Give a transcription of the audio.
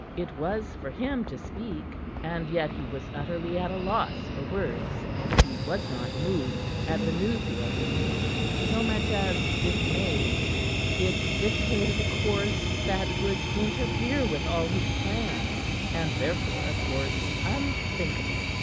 It was for him to speak, and yet he was utterly at a loss for words. He was not moved at the news he had received, so much as dismayed. It dictated a course that would interfere with all his plans, and therefore a course unthinkable.